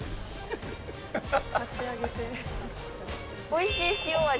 おいしい塩味。